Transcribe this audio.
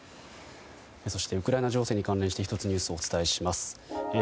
そしてウクライナ情勢に関連して１つ、ニュースをお伝えします。